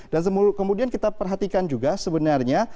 dan kemudian kita perhatikan juga sebenarnya